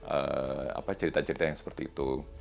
apa cerita cerita yang seperti itu